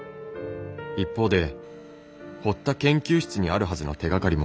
一方で堀田研究室にあるはずの手がかりも。